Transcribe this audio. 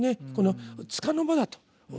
この束の間だと。